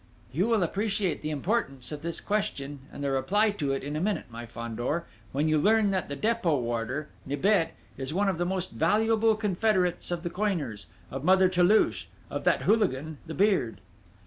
"You will appreciate the importance of this question and the reply to it in a minute, my Fandor, when you learn that the Dépôt warder, Nibet, is one of the most valuable confederates of the coiners, of Mother Toulouche, of that hooligan, the Beard...."